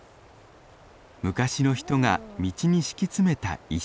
昔の人が道に敷き詰めた石。